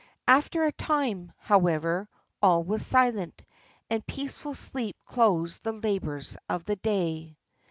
After a time, however, all was silent, and peaceful sleep closed the labours of the day.